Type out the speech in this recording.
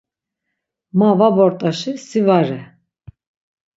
Ma var bort̆aşi si var re.